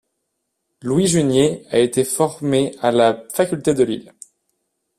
Louis Jugnet a été formé à la faculté de Lille.